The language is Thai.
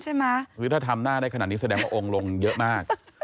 ใช่มั้ยวิธีธรรมหน้าได้ขนาดนี้แสดงว่าองค์ลงเยอะมาก